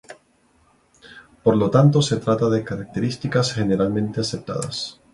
Por lo tanto se trata de características generalmente aceptadas.